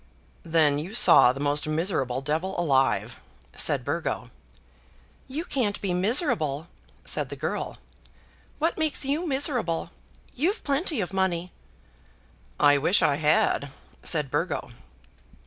"Then you saw the most miserable devil alive," said Burgo. "You can't be miserable," said the girl. "What makes you miserable? You've plenty of money." "I wish I had," said Burgo.